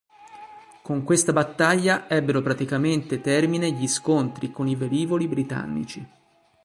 Con questa battaglia ebbero praticamente termine gli scontri con i velivoli britannici.